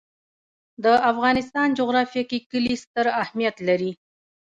د افغانستان جغرافیه کې کلي ستر اهمیت لري.